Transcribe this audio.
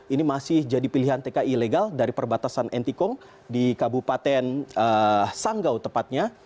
ini masih jadi pilihan tki ilegal dari perbatasan ntkong di kabupaten sanggau tepatnya